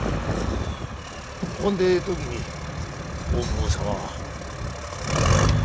ほんで時に大久保様は？